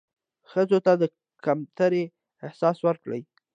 ښځو ته د کمترۍ احساس ورکړى